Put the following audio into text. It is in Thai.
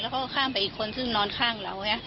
แล้วก็ข้ามไปอีกคนซึ่งนอนข้างเรา